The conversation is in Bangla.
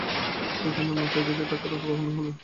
সেইখানি মাথায় বেঁধে ঢাকায় রওনা হলুম।